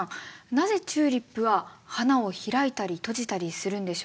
なぜチューリップは花を開いたり閉じたりするんでしょうか？